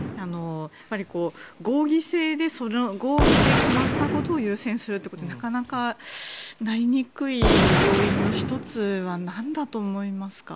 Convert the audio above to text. やはり、合議で決まったことを優先することがなかなかなりにくい要因の１つは何だと思いますか？